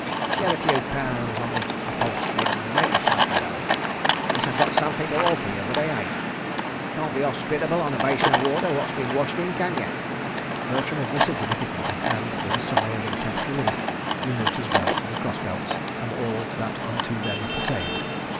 . Shed a few paounds o' the hup'olstery and maike yerself atome. ... Wisht I got somethink to orfer yer—but I ain't. ... Can't be 'osspitable on a basin o' water wot's bin washed in—can yer?" Bertram admitted the difficulty, and, with a sigh of intense relief, removed his belt and cross belts and all that unto them pertained.